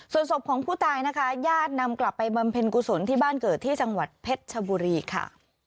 ส่วนศพของผู้ตายนะคะญาตินำกลับไปบำเพ็ญกุศลที่บ้านเกิดที่จังหวัดเพชรชบุรีค่ะ